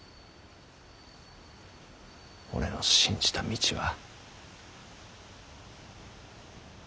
俺の信じた道は。